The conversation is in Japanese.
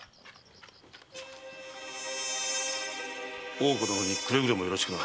大岡殿にくれぐれもよろしくな。